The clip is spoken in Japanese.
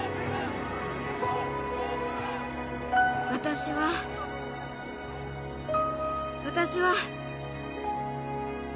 私は私は